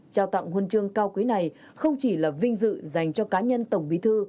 trao tặng khuôn trường cao quý này không chỉ là vinh dự dành cho cá nhân tổng bí thư